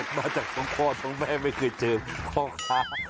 เด็ดมาจากท้องพ่อท้องแม่ไม่คือเจอพ่อครับ